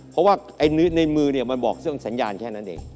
เพราะว่าในมือมันบอกเรื่องสัญญาณแค่นั้นเอง